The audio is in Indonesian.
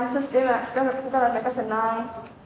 kita lihat mereka senang